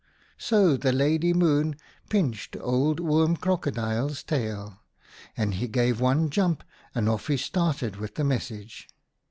" So the Lady Moon pinched old Oom Crocodile's tail, and he gave one jump and off he started with the message.